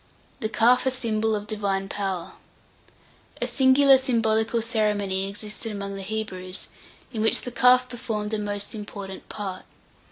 THE CALF A SYMBOL OF DIVINE POWER. A singular symbolical ceremony existed among the Hebrews, in which the calf performed a most important part.